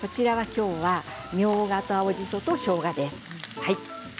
きょうはみょうがと青じそと、しょうがです。